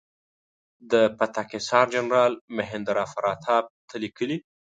د پتک حصار جنرال مهیندراپراتاپ ته لیکلي.